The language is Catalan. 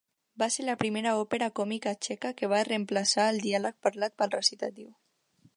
Va ser la primera òpera còmica txeca que va reemplaçar el diàleg parlat pel recitatiu.